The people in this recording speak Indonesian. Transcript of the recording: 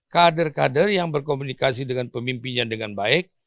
kader kader yang berkomunikasi dengan pemimpinnya dengan baik